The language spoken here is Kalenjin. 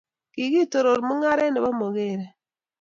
kikitoror mung'aret nebo mokore.